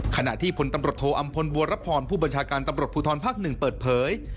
ขณะที่พลตำรวจโทอำพลบัวรพรผู้บัญชาการตำรวจภูทรภาค๑เปิดเผย